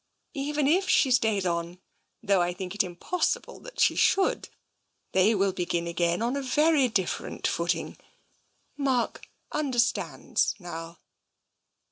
Even if she stays on — though I think it impossible that she should — they will begin again on a very different footing. Mark understands now."